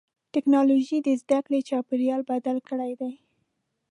ټکنالوجي د زدهکړې چاپېریال بدل کړی دی.